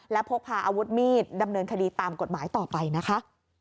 และพกพาอาวุธมีดดำเนินคดีตามกฎหมายต่อไปนะคะ